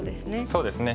そうですね。